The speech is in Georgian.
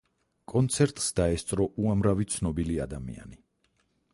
კონცერტს დაესწრო უამრავი ცნობილი ადამიანი.